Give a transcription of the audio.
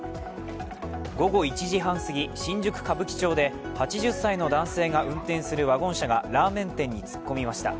午後１時半すぎ新宿・歌舞伎町で８０歳の男性が運転するワゴン車がラーメン店に突っ込みました。